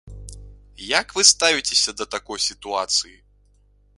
Як вы ставіцеся да такой сітуацыі?